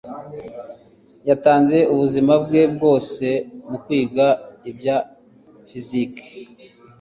yatanze ubuzima bwe bwose mu kwiga ibya fiziki